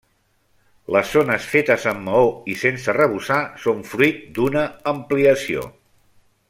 Les zones fetes amb maó i sense arrebossar són fruit d'una ampliació.